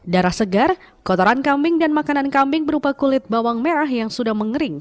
darah segar kotoran kambing dan makanan kambing berupa kulit bawang merah yang sudah mengering